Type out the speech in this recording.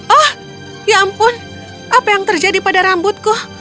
oh ya ampun apa yang terjadi pada rambutku